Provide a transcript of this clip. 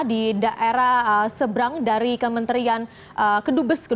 di daerah seberang dari kementerian kedubes